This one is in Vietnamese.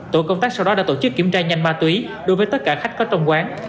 tổ công tác sau đó đã tổ chức kiểm tra nhanh ma túy đối với tất cả khách có trong quán